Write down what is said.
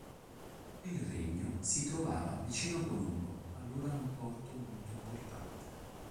Il regno si trovava vicino Colombo, allora un porto molto importante.